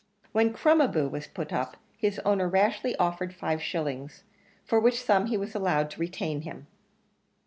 When Crom a boo was put up his owner rashly offered five shillings for which sum he was allowed to retain him.